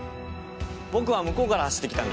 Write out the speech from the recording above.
僕は向こうから走ってきたんです。